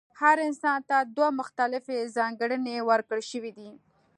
هر انسان ته دوه مختلفې ځانګړنې ورکړل شوې دي.